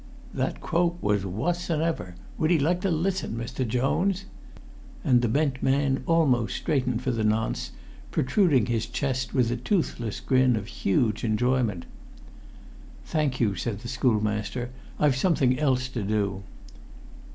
"That croap wuss than ever. Would 'ee like to listen, Mr. Jones?" And the bent man almost straightened for the nonce, protruding his chest with a toothless grin of huge enjoyment. "Thank you," said the schoolmaster. "I've something else to do."